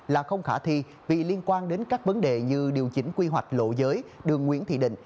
là không khả thi vì liên quan đến các vấn đề như điều chỉnh quy hoạch lộ giới đường nguyễn thị định